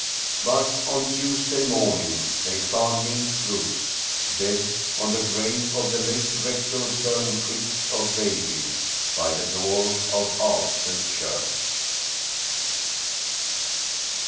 But on Tuesday morning they found Niels Bruus dead on the grave of the late rector Soren Quist of Veilbye, by the door of Aalso church.